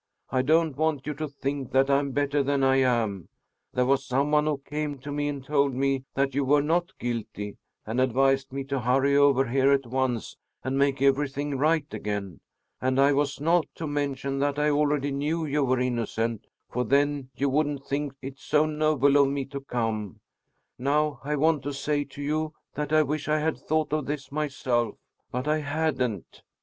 I don't want you to think that I'm better than I am. There was some one who came to me and told me that you were not guilty and advised me to hurry over here at once and make everything right again. And I was not to mention that I already knew you were innocent, for then you wouldn't think it so noble of me to come. Now I want to say to you that I wish I had thought of this myself, but I hadn't.